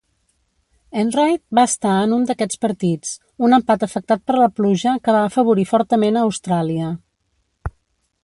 Enright va estar en un d'aquests partits, un empat afectat per la pluja que va afavorir fortament a Austràlia.